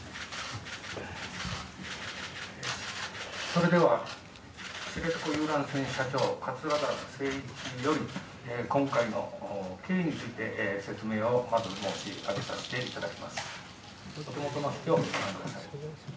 それでは知床遊覧船社長桂田精一氏による今回の経緯について説明を申し上げさせていただきます。